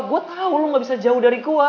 gua tau lu gak bisa jauh dari gua